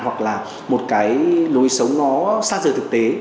hoặc là một cái lối sống nó xa rời thực tế